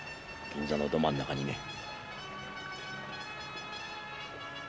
銀座のど真ん中にね。